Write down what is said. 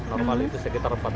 normal itu sekitar empat hari